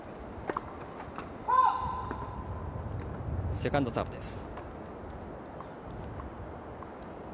セカンドサーブです。